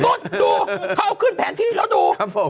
นุ่มนุ่มเขาก็เอาให้ขึ้นแผนที่แล้วดู